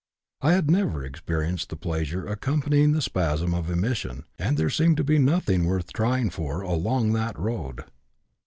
I had never experienced the pleasure accompanying the spasm of emission, and there seemed to be nothing worth trying for along that road.